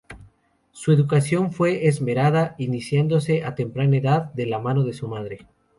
Su educación fue esmerada, iniciándose a temprana edad de la mano de su madre.